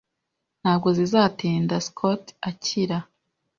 Ntabwo bizatinda Scott akira